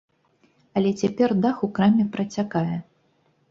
Але цяпер дах у краме працякае.